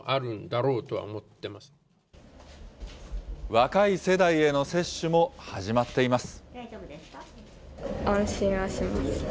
若い世代への接種も始まっています。